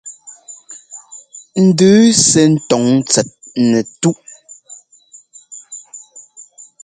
Ndʉʉ sɛ́ ńtɔ́ŋ tsɛt nɛtúꞌ.